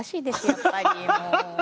やっぱりもう。